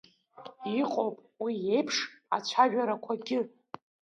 Иҟоуп уи еиԥш ацәажәарақәагьы.